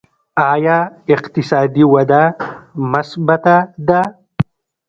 آیا اقتصادي وده مثبته ده؟